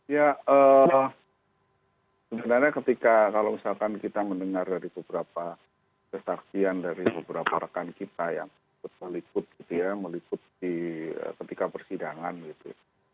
ya sebenarnya ketika kalau misalkan kita mendengar dari beberapa kesaksian dari beberapa rekan kita yang meliput ketika persidangan gitu